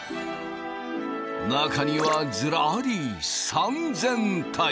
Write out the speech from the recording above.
中にはずらり３０００体。